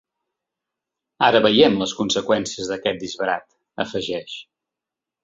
Ara veiem les conseqüències d’aquest disbarat, afegeix.